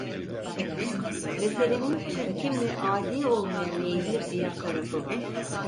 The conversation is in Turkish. Meselenin çirkin ve adi olmaya meyilli bir tarafı var.